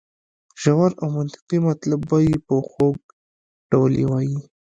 ژور او منطقي مطلب وایي په خوږ ډول یې وایي.